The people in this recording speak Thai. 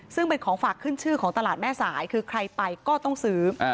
ซึ่งเป็นของฝากขึ้นชื่อของตลาดแม่สายคือใครไปก็ต้องซื้อ